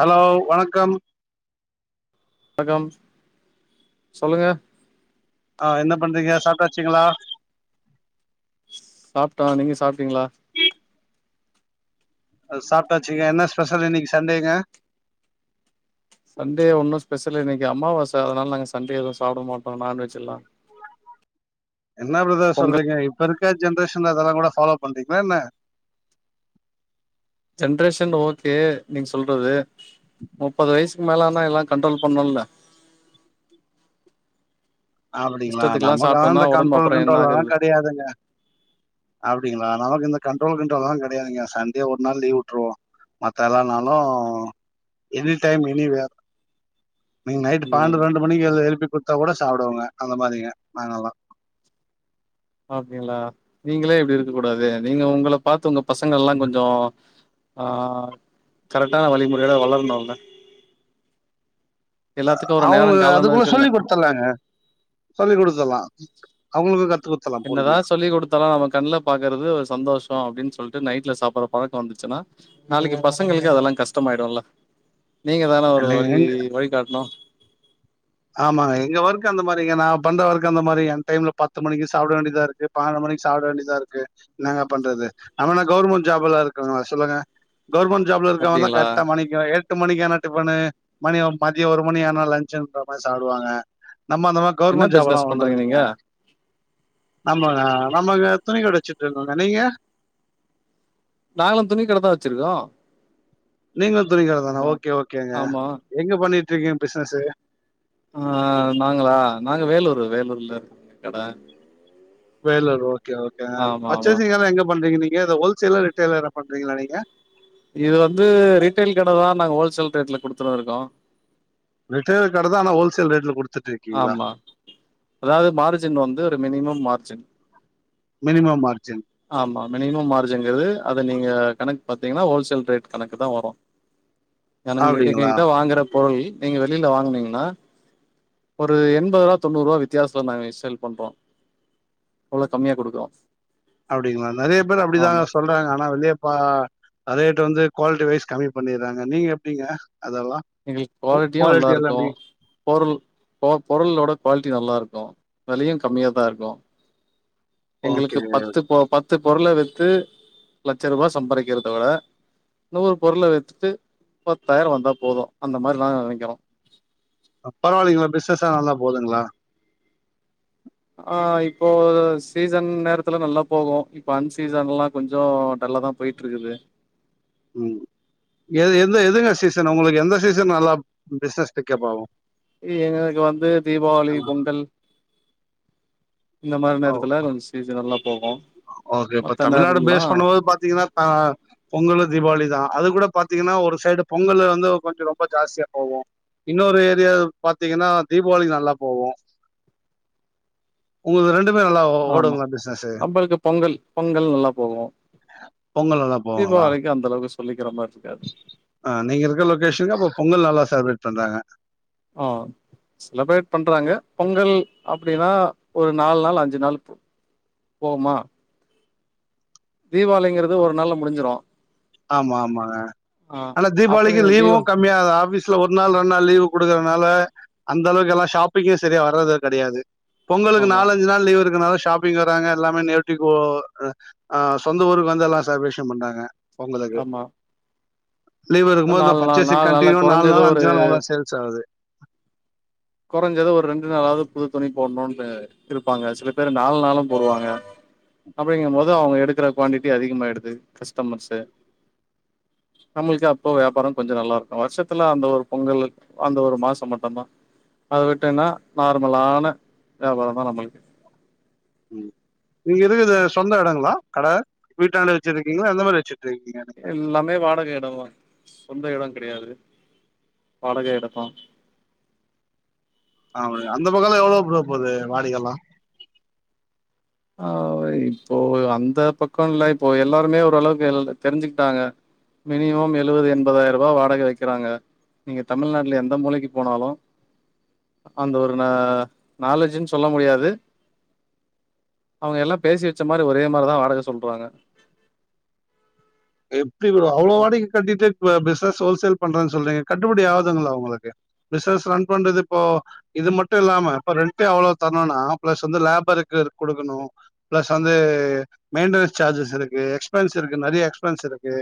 Hello வணக்கம் வணக்கம் சொல்லுங்க ஆ என்ன பண்றீங்க சாப்ட்டாச்சீங்களா சாப்ட்டோ நீங்க சாப்ட்டீங்ளா அது சாப்ட்டாச்சுங்க என்ன ஸ்பெஷல் இன்னைக்கு சண்டேங்க சண்டே ஒன்னும் ஸ்பெஷல் இல்ல இன்னைக்கு அம்மாவாசை அதனால நாங்க சண்டே எதுவும் சாப்ட மாட்டோ நான்வெஜ் எல்லா என்ன பிரதர் உங்க சொல்றீங்க இப்ப இருக்கா ஜென்ரேஷன்ல அதெல்லாம் கூட ஃபாலோ பண்றீங்களா என்ன ஜென்ரேஷன் ஓகே நீங்க சொல்றது முப்பது வயசுக்கு மேலன்னா எல்லாம் கண்ட்ரோல் பண்ணுல அப்டிங்களா இஷ்டத்துக்குல்லா நமக்குதான் சாப்ட்டோம்னா இந்த ஒடம்பு கண்ட்ரோல் அப்புறோ என்ன கிண்ட்ரோல்லா ஆகுறது கெடையாதுங்க அப்டிங்ளா நமக்கு இந்த கண்ட்ரோல் கிண்ட்ரோல்லா கெடையாதுங்க சண்டே ஒரு நாள் லீவ் விட்டுருவோ மத்த எல்லா நாளு எனி டைம் எனிவேர் நீங்க நைட் ம் பன்னென்டு ரெண்டு மணிக்கு எ எழுப்பி குடுத்தா கூட சாப்டுவோங்க அந்த மாரிங்க நாங்கெல்லாம் அப்டிங்களா நீங்களே இப்டி இருக்க கூடாது நீங்க உங்கள பார்த்து உங்க பசங்கல்லாம் கொஞ்சோ ஆ கரெக்டான வழிமுறையோட வளரணும்ல எல்லாத்துக்கு ஒரு நேரோ அவுங்க காலோன்னு அதுக்குள்ள இருக்குல்ல சொல்லி குடு த்தலாங்க சொல்லி குடுத்தறலாம் அவங்களுக்கு கத்து குடுத்துர்லா பொறுமையா என்னதான் சொல்லி குடுத் தலா அவ கண்ணல பாக்கறது ஒரு சந்தோஷோ அப்டின்னு சொல்லிட்டு நைட்ல சாப்பற பழக்கோ வந்துச்சுன்னா நாளைக்கு பசங்களுக்கு அதெல்லா கஷ்டமாய்டும்ல நீங்க தானே ஒரு இல்லைங்க வழி எங்க வழி காட்டணு ஆமாங்க எங்க ஒர்க் அந்த மாரிங்க நா பண்ற ஒர்க் அந்த மாரி என் டைம்ல பத்து மணிக்கு சாப்ட வேண்டியதா இருக்கு பன்னெண்டு மணிக்கு சாப்ட வேண்டியதா இருக்கு என்னங்க பண்றது ஆனா நா கவுவர்மெண்ட் ஜாப்ல்லயா இருக்க சொல்லுங்க கவர்மென்ட் ஜாப்ல இருக்கவ தா அப்டிங்களா கரெக்டா மணி எ எட்டு மணிக்கனா டிபனு மணி மதியோ ஒரு மணி ஆனா லன்ஞ்ச் சாப்டுவாங்க நம்ம அந்த மாரி என்ன கவுவர்மெண்ட் ஜாப்ல்லா பிசினஸ் ஒண்ணு பண்றீங்க இல்லைங்க நீங்க நம்ம நம்ம துணி கட வெச்சிட்டு இருந்தோங்க நீங்க நாங்களு துணி கட தா வெச்சிருக்கோ நீங்களு துணிக்கட தானா ஓகே ஓகேங்க ஆமா எங்க பண்ணிட்டு இருக்கீங்க பிசினஸ்ஸு ஆ நாங்களா நாங்க வேலூர் வேலூர்ல துணி கட வேலூர் ஓகே ஓகே ஆமா ஆமா பர்ச்சேசிங் எல்லா எங்க பண்றீங்க நீங்க இத ஹோல்சேலர் ரிட்டெலரா பண்றீங்களா நீங்க இது வந்து ரீட்டெய்ல் கட தா நாங்க ஹோல்சேல் ரேட்ல குடுத்துன்னு இருக்கோ ரிட்டெல் கட தா அனா ஹோல்சேல் ரேட்ல குடு ஆமா அதாவது மார்ஜின் வந்து ஒரு மினிமம் மார்ஜின் மினிமம் மார்ஜின் ஆமா மினிமம் மார்ஜின்ங்கறது அத நீங்க கணக்கு பாத்தீங்கன்னா ஹோல்சேல் ரேட் கணக்கு தா வரு எங்க எங்க அப்டிங்களா கிட்ட வாங்குற பொருள் நீங்க வெளியில வாங்கனீங்கன்னா ஒரு எண்பது ரூபா தொண்ணுறு ரூபா வித்யாசத்துல நாங்க சேல் பண்றோ அவ்ளோ கம்மியா குடுக்குறோ அப்டிங்களா நறைய பேரு ஆமா அப்டிதாங்க சொல்றாங்க ஆனா வெளியப்பா பழைய ரேட்டு வந்து குவாலிட்டி வைஸ் கம்மி பண்ணறாங்க நீங்க எப்டிங்க அதெல்லா எங்களுக்கு குவாலிட்டியோ நல்லா குவாலிட்டி எல்லா இருக்கோ எப்டி பொருள் பொருளோட குவாலிட்டி நல்லா இருக்கோ விலையோ கம்மியாக தா இருக்கோ ஓகே எங்களுக்கு பத்து போ ப த்து பொருள வித்து லட்சோ ரூபா சம்பாரிக்கறத விட நூரு பொருள வித்துட்டு பத்தாயிரோ வந்தா போது அந்த மாரி தாங்க நினைக்குறோ அப் பரவாயில்லைங்களா பிஸ்னஸ்ல்லா நல்லா போதுங்களா அ இப்போ சீசன் நேரத்துல நல்லா போகு இப்போ அன் சீசன்லா கொஞ்சோ டல்லாதா பொய்ட்ருக்குது ம் எத் எந்த எதுங்க சீசன் உங்ளுக்கு எந்த சீசன் நல்லா பிஸ்னஸ் பிக்கப் ஆவு இ எங்களுக்கு வந்து தீபாவளி பொங்கல் இந்த மாரி ஓ நேரத்துல கொஞ்சோ சீசன் நல்லா போகு ஓகே இப்ப மத்த தமிழ்நாடு நேரல்லா பேஸ் பண்ணபோது பாத்தீங்கன்னா தா பொங்கலு தீபாவளி தா அது கூட பாத்தீங்கன்னா ஒரு சைடு பொங்கல்லு வந்து கொஞ்சோ ரொம்ப ஜாஸ்தியா போவு இன்னொரு ஏரியா பாத்தீங்கன்னா தீபாவளி நல்லா போவு உங்ளுக்கு ரெண்டுமே நல்லா ஆமா ஓடுங்ளா பிஸ்னஸு நம்பளுக்கு பொங்கல் பொங்கல் நல்லா போகு பொங்கல் நல்லா போவாங்களா? தீபாவளிக்கு அந் அளவுக்கு சொல்லிக்கற மார்ருக்காது அ நீங்க இருக்க லொக்கேஷ்னுக்கு அப்ப பொங்கல் நல்லா செலப்ரேட் பண்றாங்க அ செலப்ரேட் பண்றாங்க பொங்கல் அப்டினா ஒரு நால் நாள் அஞ்சு நாள் போமா தீபாவளிங்கிறது ஒரு நாள்ள முடிஞ்சிரு ஆமா ஆமாங்க ஆ ஆனா அப்படி தீபாவளிக்கு லீவு தீபா கம் ம்யாதா ஆபீஸ்ல ஒர் நாள் ரெண்டு நாள் லீவு குடுக்குறனால அந் அளவுக்கு எல்லா ஷாப்பிங்கு சரியா வரது கடையாது பொங்கலுக்கு ஆமா நாலஞ்சி நாள் லீவ் இருக்கனால ஷாப் பிங்குறாங்க எல்லாமே நேரட்டிகோ அ சொந்த ஊருக்கு வந்து எல்லா சேப்ரேஷ்ன் பண்றாங்க ஒங்களுக்கு ஆமா லீவ் இருக்கும்போது இந்த நாலு நாள் பர்ச்சேசிங் நாலு நாளா கண்டியூவ நால் கொறஞ்சது நாள் ஒரு அஞ்சு நாள் நல்லா சேல் சாவுது கொறஞ்சது ஒரு ரெண்டு நாளாவ்து புது துணி போட்ணுன்னு இருப்பாங்க சில பேரு நால் நாளு போடுவாங்க அப்டிங்கம்போது அவுங்க எடுக்குற குவான்டிட்டி அதிகமாயிடுது கஸ்ட்டமர்ஸு நம்முளுக்கு அப்ப வியாபார கொஞ்ச நல்லாருக்கு வர்ஷத்துல அந்த ஒரு பொங்கலு அந்த ஒரு மாச மட்டுந்தா அத விட்டேனா நார்மலான வியாபாரந்தா நம்மள்க் ம் நீங்க இருக்குது சொந்த எடங்களா கட வீட்டாண்ட வெச்சிருக்கீங்ளா எந்த மாரி வெச்சுட் ருக்கீங்க எல்லாமே வாடக எடோந்தா சொந்த எடோ கெடையாது வாடக எடோந்தா ஆமாடி அந்த பக்கோலா எவ்ளோ ப்ரோ போது வாடிகெல்லா அ இப்போ அந்த பக்கோஇல்ல இப்போ எல்லாருமே ஓரளவுக்கு தெரிஞ்சுக்ட்டாங்க மினிமம் எழுவது எண்பதாயருபா வாடக வக்கிறாங்க நீங்க தமிழ்நாட்ல எந்த மூலக்கி போனாலு அந்த ஒரு ந நாலேஜின் சொல்ல முடியாது அவுங்க எல்லா பேசி வெச்ச மாரி ஒரே மாரிதா வாடக சொல்றாங்க எப்டி ப்ரோ அவ்ளோ வாடிகி கட்டிட்டு இப்ப பிஸ்னஸ் ஓல்சேல் பண்றன் சொல்றீங்க கட்டுப்படி ஆவுதுங்லா உங்களுக்கு பிஸுனஸ் ரன் பண்றது இப்போ இது மட்டு இல்லாம இப்ப ரெண்ட்டே அவ்ளோ தர்ணுன்னா ப்ளஸ் வந்து லேபருக்கு குடுக்குணு ப்ளஸ் வந்து மெயின்டனஸ் சார்ஜஸ் இருக்கு எக்ஸ்பென்ஸ் இருக்கு நெறிய ஃப்ரெண்ட்ஸ் இருக்கு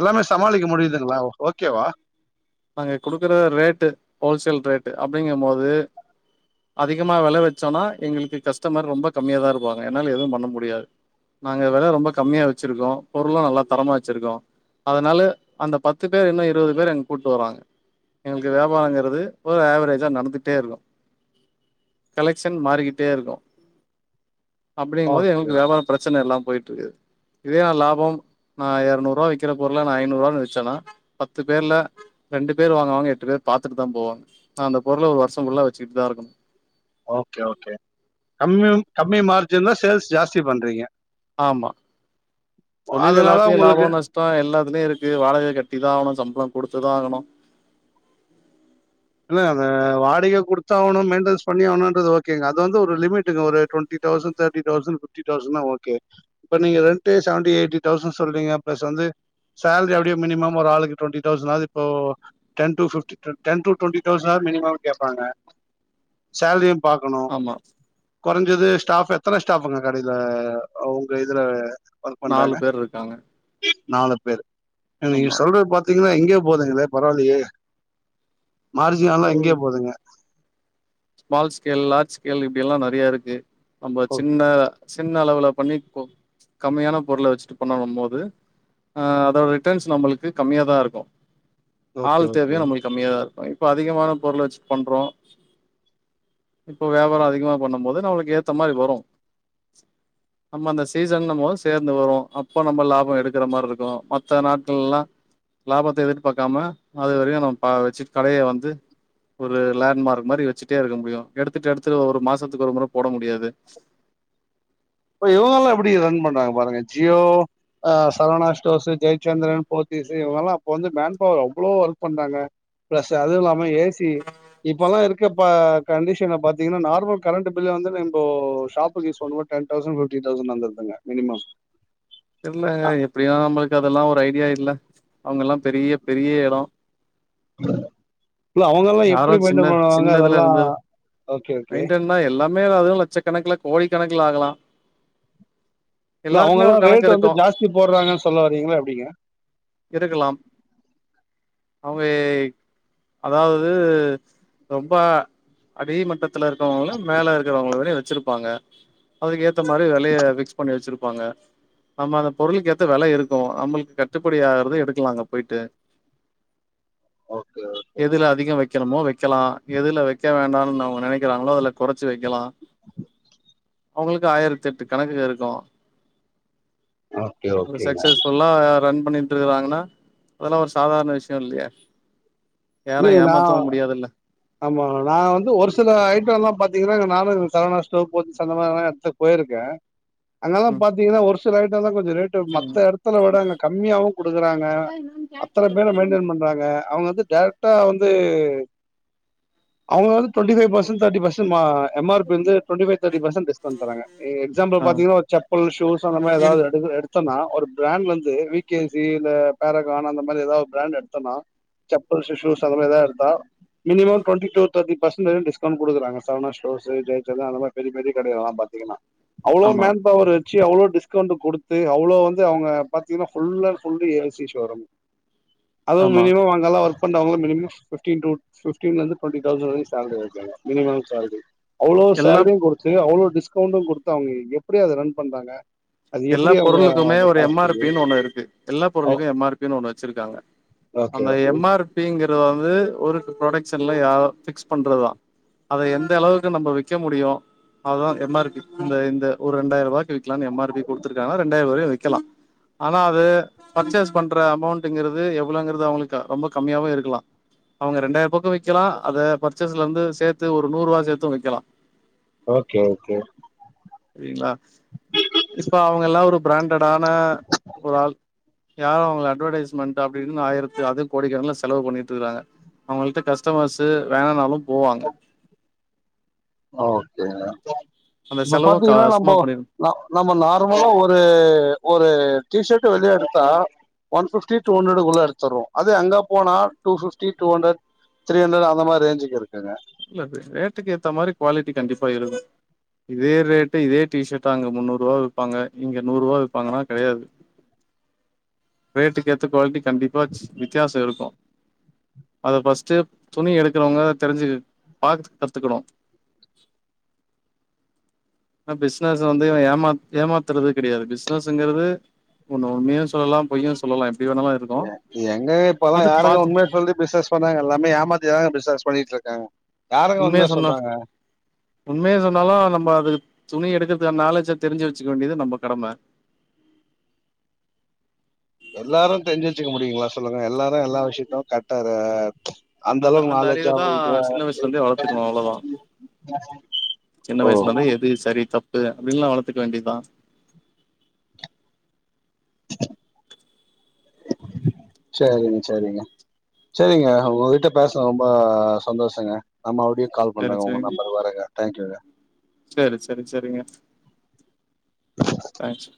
எல்லாமே சமாளிக்க முடியுதுங்ளா ஓகேவா அங்க குடுக்குற ரேட்டு ஹோல்சேல் ரேட்டு அப்டிங்கம்போது அதிகமா வெல வச்சோனா எங்களுக்கு கஸ்ட்டமர் ரொம்ப கம்மியாதா இருப்பாங்க என்னால எது பண்ண முடியாது நாங்க வெல ரொம்ப கம்மியா வச்சிருக்கோ பொருளு நல்ல தரமா வெச்சிருக்கோ அதனால அந்த பத்து பேர் இன்னு இருவது பேர் எங் கூட்டு வராங்க எங்களுக்கு வியாபாரங்கிறது ஒரு ஏவரேஜா நடந்துகிட்டே இருக்கு கலெக்ஷன் மாரிகிட்டே இருக்கு அப்படிங்க போது ஓகே எங்களுக்கு வியாபாரோ பிரச்சன எல்லா போயிட்ருக்கு இதே எ லாபம் நா எரநூறுவா விக்கிற பொருள நா ஐநூறுவானு வெச்சன்னா பத்து பேர்ல ரெண்டு பேர் வாங்குவாங்க எட்டு பேர் பாத்துட்டு தா போவாங்க நா அந்த பொருள ஒரு வருஷம் ஃபுல்லா வெச்சுட்டு தா இருக்கணு ஓகே ஓகே கம்யான கம்மி மார்ஜின் தா சேல்ஸ் ஜாஸ்தி பண்றீங்க ஆமா தொழில் அதனால எல்லாத்திலியு லாபோ உங்களுக்கு நஷ் டோ எல்லாத்துலியு இருக்கு வாடகை கட்டிதா ஆகணு சம்பள குடுத்து தா ஆகணு இல்ல அந்த வாடகை குடுத்தாவ்ணு மெயின்டனன்ஸ் பண்ணி ஆவுணுன்றது ஓகேங்க அது வந்து ஒரு லிமிட்டுங்க ஒரு டுவண் டி தௌசண்ட தேட்டி தௌசண்ட் ஃபிஃப்டி தௌசண்னா ஓகே இப்ப நீங்க ரெண்டடே செவன்டி எயிட்டி தௌசண்ஸ் சொல்றீங்க பிளஸ் வந்து சேல்ரி அப்டியே மினிமம் ஒரு ஆளுக்கு டுவெண்ட்டி தௌசண்ணாது இப்போ டென் டு ஃபிஃப்டி டுன் டென் டு டுவென்ட்டி தௌசண்னாது மினிமம் கேப்பாங்க சேல்ரியு பாக்கணு ஆமா கொறஞ்சது ஸ்டாப் எத்தன ஸ்டாப்புங்க கடையில உங்க இதுல ஒர்க் நாலு பண்றாங்க பேர் இருக்காங்க நாலு பேர் நீங்க ஆமா சொல்றது பாத் திங்ன்னா எங்யோ போதுங்களே பரவால்லியே மார்ஜின் எல்லா ஓ எங்யோ போதுங்க ஸ்மால் ஸ்கேல் லார்ஜ் ஸ்கேல் இப்படியெல்லா நெறையா இருக்கு நம்ம ஓ சின்ன சின்ன அளவுல பண்ணி கம்மியான பொருள வெச்சுட்டு பண்ணாம் போது ஆ அதோட ரிட்டர்ன்ஸ் நம்மளுக்கு கம்மியா தா இருக்கு ஓகே ஆள் ஓகே தேவையு நம்மளுக்கு கம்மியாதா இருக்கு இப்போ அதிகமான பொருள வெச்சுட்டு பண்றோ இப்போ வியாபாரோ அதிகமா பண்ணும் போது நம்மளுக்கு ஏத்த மாரி வரு நம்ம அந்த சீசன்ங்கம் போது சேந்து வரு அப்ப நம்ம லாபோ எடுக்கிற மார்ருக்கு மத்த நாட்கள்லா லாபத்த எதிர்பார்க்காம அது வரைக்கு நம்ம ப வெச்சு கடைய வந்து ஒரு லேண்ட்மார்க் மாரி வெச்சுட்டே இருக்க முடியு எடுத்துட்டு எடுத்து ஒரு மாசத்துக்கு ஒரு முற போட முடியாது இப்ப இவுங்கல்லா எப்டி ரன் பண்றாங்க பாருங்க ஜியோ ஆ சரவணா ஸ்டோஸ் ஜெயச்சந்திரன் போத்திஸு இவங்கெல்லா அப்ப வந்து மேன் பவர் அவ்ளோ ஒர்க் பண்றாங்க பிளஸ் அதுவு இல்லாம ஏ சி இப்பல்லா இருக்கப்ப கன்டிஷன பாத்தீங்கன்னா நார்மல் கரண்ட் பில்ல வந்து நம்போ ஷாப்புக்கு யூஸ் பண்ணும்போத் டென் தௌசண் ஃபிஃப்டி தொசன் வந்துருதுங்க மினிமம் இல்லங்க எப்டியா நம்மளுக்கு அதெல்லா ஒரு ஐடியா இல்ல அவுங்கல்லா பெரிய பெரிய எடோ இல்ல அவுங்கல்லா யாரு எப்டி சின்ன மெயின்டென் பண்ணுவாங்க அதெல்லா ஓகே ஓகே அண்ணா எல்லாமே [unintelligible] லட்சக்கணக்ல கோடி கணக்ல ஆகலா இல்ல எல்லாருக்குமே அவுங்கல்லா ஒரு கணக்கு ரேட் வந்து இருக்கு ஜாஸ்தி போட்றாங்கன் சொல்ல வரீங்ளா எப்டிங்க இருக்கலாம் அவுங்க ஏ அதாவ்து ரொம்ப அடிமட்டத்தில இருக்கிறவங்ளு மேல இருக்கிறவங்கள அப்டியே வெச்சிரு ப்பாங்க அதுக்கு ஏத்த மாரி வெலய ஃபிக்ஸ் பண்ணி வெச்சிருப்பாங்க நம்ம அந்த பொருளுக்கேத்த வெல இருக்கு நம்மள்க் கட்டுப்படி ஆகிறது எடுக்கலா அங்க போய்ட்டு ஓகே எதுல அதிக வெக்கணுமோ வெக்கலா எதில வெக்க வேண்டானு அவுங்க நெனைக்கிறாங்ளோ அதில கொறச்சி வைக்கலா அவுங்களுக்கு ஆயிரத்தெட்டு கணக்குக இருக்கு ஓகே ஒரு ஓகேங்க சக்சஸ் ஃபுல்லா ரன் பண்ணிட்டு இருக்கறாங்கன்னா அதெல்லா ஒரு சாதாரண விஷயோ இல்லையே யாரையு இல்லைங்க நா ஏமாத்தவு முடியாதில்ல ஆமா நா வந்து ஒரு சில ஐட்டோல்லா பாத்தீங்கன்னா நானு சரவணா ஸ்டோ் போத்ஸ் அந்த மாரல்லா எட்த்து போயினு இருக்கே அங்கதா ம் பாத்தீங்கன்னா ஒரு சில ஐட்டம் தா கொஞ்ச ரேட்டு மத்த எடத்துல விட சரிங்க அங்க கம்மியாவு குடுக்குறாங்க அத்தன பேரு மெயின்டென் பண்றாங்க அவங்க வந்து டைரக்ட்டா வந்து அவங்க வந்து twenty five percent thirty five percent வாங்குவாங்ங எம் ஆர் பி வந்து twenty five thirty percent discount தராங்க நீங்க எக்ஸாம்பிள்க்கு ஆ பாத்தீங்னா ஒரு செப் பல் சூஸ் அந்த மாதிரி ஏதாவது எடுத்தோன்னா ஒரு பிராண்ட்லருந்து வி கே சியில பேரகான் அந்த மாரி ஏதாவது பிராண்ட் எடுத்தோன்னா செப்பள்ஸ் சூஸ் அந்த மாதிரி ஏதாவது எடுத்தா minimum twenty to thirty percent discount குடுக்குறாங்க அந்த மாரி சரவணா ஸ்டோர்ஸ் ஜெய்சந்தரன் அந்த மாரி பெரிய பெரிய கடைல எல்லா பாத்தீங்கன்னா அவ்ளோ ஆமா மேன் பவரு வெச்சி அவ்ளோ டிஸ்கவுண்ட் குடுத்து அவ்ளோ வந்து அவங்க பாத்தீங்கன்னா full and full AC showroom அதுவும் ஆமா மினிமம் அங்கெல்லா ஒர்க் பண்றவங்கல்லா மினிமம் பிப்டின் டூ பிப்டின்லருந்து டுவென்டி தவ்சண்ட் வரையு சேல்ரி வாங்கிவாங்க மினிமம் சேல்ரி அவ்ளோ எல்லா சேல்ரியு குடுத் து அவ்ளோ டிஸ்கவுண்டு குடுத்து அவங்க எப்டி அத ரன் பண்றாங்க அது எல்லா எப்டி அவங்க பொருளுக்குமே அந்த ஒரு எம் ஆர் காஸ்ட்டு பினு ஒன்னு இருக்கு எல்லா பொருளுக்குமே எம் ஆர் பினு ஒன்னு வெச்சிருக்காங்க ஓகே அந்த ஓகே எம் ஆர் பிங்கறது வந்து ஒரு ப்ரொடக்ஷன்ல யா பிக்ஸ் பண்றதா அத எந்த அளவுக்கு நம்ம விக்க முடியு அதுதா எம் ஆர் பி இந்த இந்த ஒரு ரெண்டாயிர ரூபாய்க் கு விக்கலான்னு எம் ஆர் பி குடுத்துருக்காங்கனா ரெண்டாயிரா வரையு விக்கலா ஆனா அது பர்ச்சேஸ் பண்ற அமௌண்ட்ங்கிறது எவ்ளோங்கிறது அவங்களுக்கு ரொம்ப கம்மியாவு இருக்கலா அவங்க ரெண்டாயிர ருபக்கு விக்கலா அத பர்ச்சேஸ்ல இருந்து சேத்து ஒரு நூறு ரூபா சேர்த்து விக்கலா ஓகே ஓகே சரிங்களா இப்ப அவங்க எல்லா ஒரு பிராண்டடான ஒரு ஆள் யாரு அவங்க அட்வர்டைஸ்மெண்ட் அப்டின்னு ஆயிரத்து அதிக கோடிக்கணல செலவு பண்ணிட்டு இருக்கறாங்க அவங்கள்ட்ட கஸ்டமர்ஸ்சு வேனானாலு போவாங்க ஓகேங்க அந்த இப்ப செலவு பாத்தீங்கன்னா சும்மா நம்போ பண்ணிரு ந நம்ம நார்மலா ஒரு ஒரு டீஷர்ட் வெளியே எடுத்தா ஒன் ப்பிப்டி டூஹண்ட்ரடக்குள்ள எடுத்துருவோ அதே அங்க போனா two fifty to hundred three hundred அத மாரி ரேஞ்சுக்கு இருக்குங்க இல்ல அது ரேட்டுக்கு ஏத்த மாரி குவாலிட்டி கண்டிப்பா இருக் இதே ரேட்டு இதே டீஷர்ட அங்க முன்னு ருபாவா விப்பாங்க இங்க நூறுரூவா விப்பாங்கன்னா கெடயாது ரேட்டுக்கு ஏத்த குவாலிட்டி கண்டிப்பா வித்தியாசோ இருக்கோ அத ஃபர்ஸ்ட்டு துணி எடுக்கறவங்க தெரிஞ்சி பாத்து கத்துக்கணு ஆ பிசினஸ் வந்து இவ ஏமாத்துறது கிடையாது பிசினஸ்ங்கிறது ஒன்னு உண்மயு சொல்லா பொய்யு சொல்லலா எப்டியு வேணாலு இருக்கு யெ யெங்கங்க இப்பலா அது யாருங்க பாத்து உண்மய சொல்லி பிஸ்னஸ் பண்ணாரங்கா எல்லாமே ஏமாத்திதாங்க பிசினஸ் பண்ணிட்டு ருக்காங்க உண்மயா சொன்னா உண்மயே சொன்னாலு நம்ம அது துணி எடுக்கறதுக்கான நாலேஜ தெரிஞ்சு வெச்சுக்க வேண்டியது நம்ம கடம எல்லாரு தெரிஞ்சு வெச்சுக்க முடியுங்களா சொல்லுங்க எல்லாரு எல்லா விஷயத்து கர்ட்டா இருக்காங்க அந்த அந்த அறிவ தா சின்ன வயசுல இருந்தே வளத்துக்கணு அவ்ளோதா சின்ன ஓ வயசுல இருந்த எது தப்பு அப்டின்னுல்லா வளத்துக்க வேண்டிதா செரிங்க செரிங்க செரிங்க உங்ககிட்ட பேசன ரொம்ப சந்தோஷங்க நா மருப்டியு கால் சரி பண்றாங்க உங்க நம்பர் வரங்க தேங்க்யூங்க செரி செரி சரிங்க தேங்க்ஸ்